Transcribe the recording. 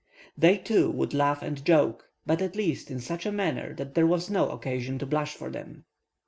They, too, would laugh and joke, but, at least, in such a manner that there was no occasion to blush for them.